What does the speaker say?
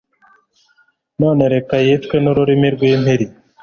none reka yicwe n'ururimi rw'impiri